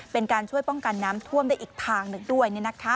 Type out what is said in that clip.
เป็นการช่วยป้องกันน้ำท่วมได้อีกทางหนึ่งด้วย